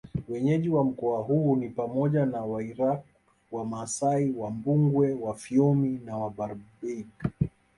Wenyeji wa mkoa huu ni pamoja na Wairaqw Wamasai Wambugwe Wafyomi na Wabarbaig